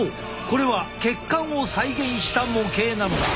これは血管を再現した模型なのだ。